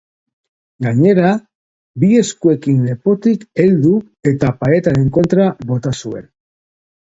Gainera, bi eskuekin lepotik heldu eta paretaren kontra bota zuen.